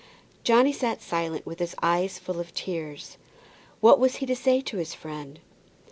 Johnny sat silent, with his eyes full of tears. What was he to say to his friend?